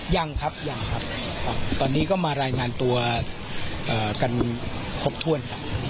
ยังครับยังครับตอนนี้ก็มารายงานตัวกันครบถ้วนครับ